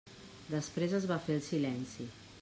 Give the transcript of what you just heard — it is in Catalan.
Després es va fer el silenci.